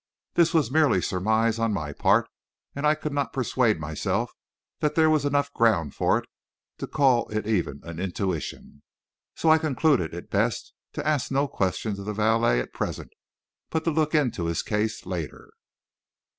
This was merely surmise on my part, and I could not persuade myself that there was enough ground for it to call it even an intuition. So I concluded it best to ask no questions of the valet at present, but to look into his case later.